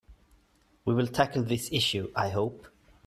We will tackle this issue, I hope.